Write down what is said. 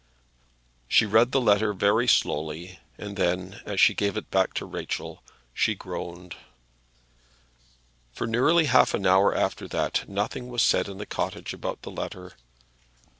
She read the letter very slowly, and then, as she gave it back to Rachel, she groaned. For nearly half an hour after that nothing was said in the cottage about the letter.